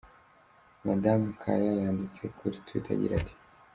Madamu Kaya yanditse kuri Twitter agira ati:.